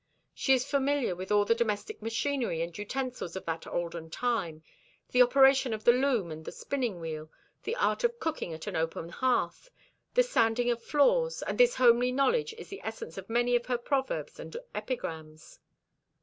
She is familiar with all the domestic machinery and utensils of that olden time—the operation of the loom and the spinning wheel, the art of cooking at an open hearth, the sanding of floors; and this homely knowledge is the essence of many of her proverbs and epigrams.